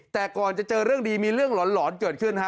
แต่ก่อนจะเจอเรื่องดีมีเรื่องหลอนเกิดขึ้นฮะ